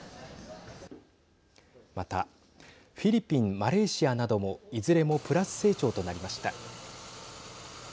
また、フィリピンマレーシアなどもいずれもプラス成長となりました。